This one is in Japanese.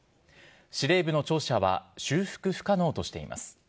司令部の庁舎は修復不可能としています。